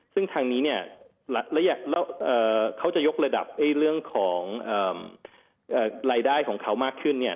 ซึ่งทางนี้เนี่ยแล้วเขาจะยกระดับเรื่องของรายได้ของเขามากขึ้นเนี่ย